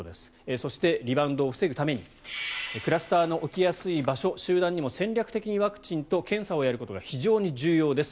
そしてリバウンドを防ぐためにクラスターの起きやすい場所集団にも戦略的にワクチンと検査をやることが非常に重要です